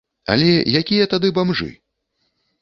Але якія тады бамжы?